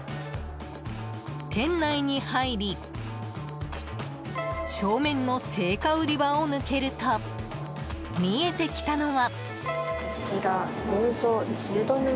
店内に入り正面の青果売り場を抜けると見えてきたのは。